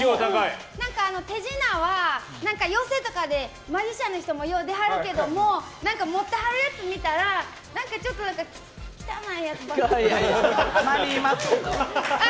手品は寄席とかでマジシャンの人もよう出はるけど持ってはるやつ見たらちょっと汚い。